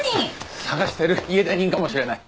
捜してる家出人かもしれない！